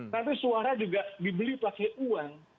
tapi suara juga dibeli pakai uang